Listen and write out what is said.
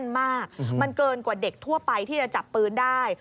มันมากมันเกินกว่าเด็กทั่วไปที่จะจับปืนได้